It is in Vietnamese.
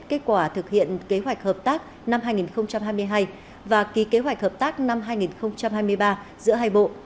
kết quả thực hiện kế hoạch hợp tác năm hai nghìn hai mươi hai và ký kế hoạch hợp tác năm hai nghìn hai mươi ba giữa hai bộ